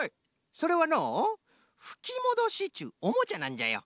それはのうふきもどしっちゅうおもちゃなんじゃよ。